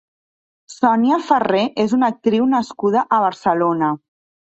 Sonia Ferrer és una actriu nascuda a Barcelona.